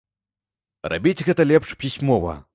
Рабіць гэта лепш пісьмова.